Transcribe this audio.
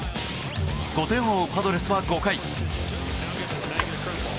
５点を追うパドレスは５回。